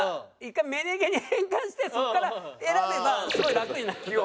１回芽ネギに変換してそこから選べばすごい楽になったと思う。